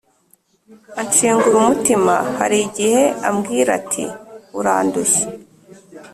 anshengura umutima Hari igihe ambwira ati Urandushya